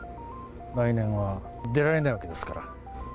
来年は、出られないわけですから。